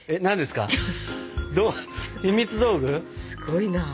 すごいな。